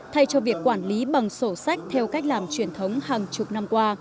thay cho việc quản lý bằng sổ sách theo cách làm truyền thống hàng chục năm qua